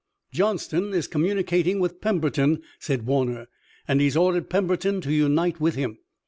"Johnston is communicating with Pemberton," said Warner, "and he has ordered Pemberton to unite with him.